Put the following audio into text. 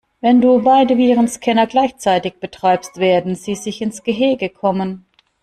Wenn du beide Virenscanner gleichzeitig betreibst, werden sie sich ins Gehege kommen.